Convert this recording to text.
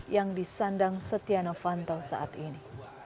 yang disandang setia novanto saat ini